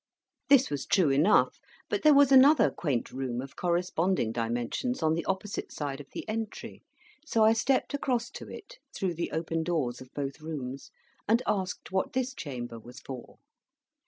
This was true enough, but there was another quaint room of corresponding dimensions on the opposite side of the entry: so I stepped across to it, through the open doors of both rooms, and asked what this chamber was for.